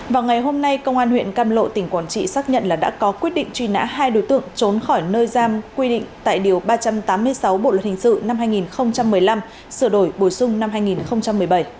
vào ngày hôm nay công an huyện cam lộ tỉnh quảng trị xác nhận là đã có quyết định truy nã hai đối tượng trốn khỏi nơi giam quy định tại điều ba trăm tám mươi sáu bộ luật hình sự năm hai nghìn một mươi năm sửa đổi bổ sung năm hai nghìn một mươi bảy